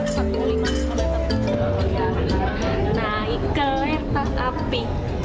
nah ini adalah kereta api